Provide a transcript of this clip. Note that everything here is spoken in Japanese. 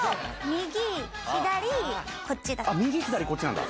右左こっちなんだ。